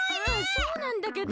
そうなんだけど。